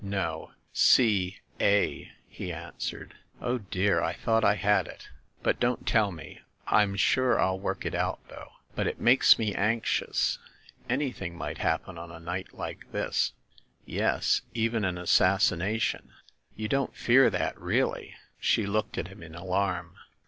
"No, 'C a,' " he answered. "Oh, dear, I thought I had it ! But don't tell me ! I'm sure I'll work it out, though. But it makes me anxious. Anything might happen on a night like this!" "Yes, even an assasination." "You don't fear that, really?" She looked at him in alarm.